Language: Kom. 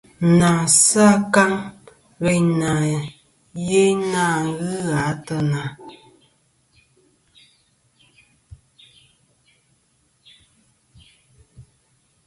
Ŋa'sɨ akaŋ yeyn na va yeyn gha a teyna.